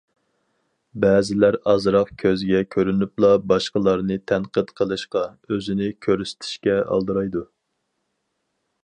بەزىلەر ئازراق كۆزگە كۆرۈنۈپلا باشقىلارنى تەنقىد قىلىشقا، ئۆزىنى كۆرسىتىشكە ئالدىرايدۇ.